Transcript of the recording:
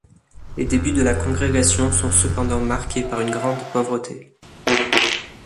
Les débuts de la congrégation sont cependant marqués par une grande pauvreté.